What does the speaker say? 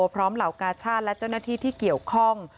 เหล่ากาชาติและเจ้าหน้าที่ที่เกี่ยวข้อง